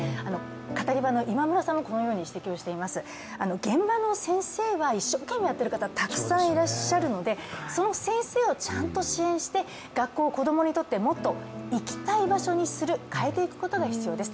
カタリバの今村さんもこのように指摘しています、現場の先生は一生懸命やってる方たくさんいらっしゃるので、その先生をちゃんと支援して学校を子供にとってもっと行きたい場所にする変えていくことが必要です。